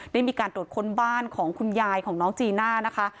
ได้มีการตรวจค้นบ้านของคุณยายของน้องจีน่านะคะ